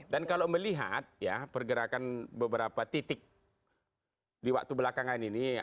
dan kalau melihat pergerakan beberapa titik di waktu belakangan ini